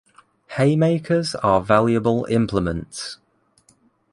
Haymakers are valuable implements.